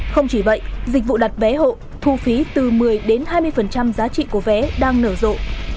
không chỉ vậy dịch vụ đặt vé hộ thu phí từ một mươi đến hai mươi giá trị của vé đang nở rộ